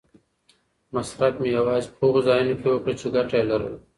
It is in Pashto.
مصرف مې یوازې په هغو ځایونو کې وکړ چې ګټه یې لرله.